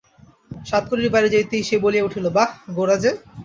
সাতকড়ির বাড়ি যাইতেই সে বলিয়া উঠিল, বাঃ, গোরা যে!